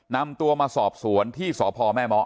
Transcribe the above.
นำตัวมาสอบสวนที่สพแม่เมาะ